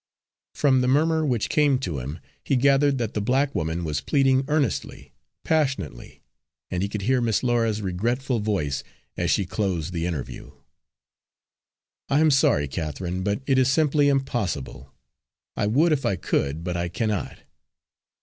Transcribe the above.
From the murmur which came to him, he gathered that the black woman was pleading earnestly, passionately, and he could hear Miss Laura's regretful voice, as she closed the interview: "I am sorry, Catherine, but it is simply impossible. I would if I could, but I cannot."